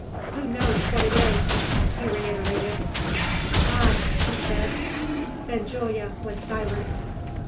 "Who knows what it is?" he reiterated. "God," she said. Benjulia was silent.